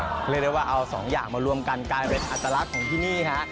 เรียกได้ว่าเอาสองอย่างมารวมกันกลายเป็นอัตลักษณ์ของที่นี่ฮะ